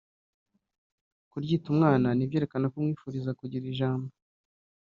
kuryita umwana ni ibyerekana yuko umwifuriza kugira ijambo